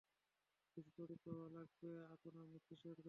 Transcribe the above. কিছু তড়িৎ প্রবাহ লাগবে আপনার মস্তিস্কের জন্য।